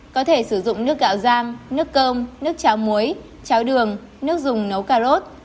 có thể sử dụng nước gạo giang nước cơm nước cháo muối cháo đường nước dùng nấu cà rốt